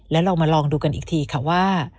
แล้วเรามาลองดูกันอีกทีค่ะว่า